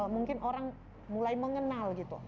mungkin orang mulai mengenal gitu